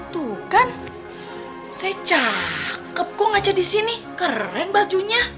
tuh kan saya cakep kok ngaca di sini keren bajunya